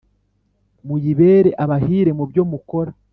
muyibere abahire mubyo mukora